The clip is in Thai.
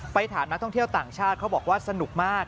ถามนักท่องเที่ยวต่างชาติเขาบอกว่าสนุกมาก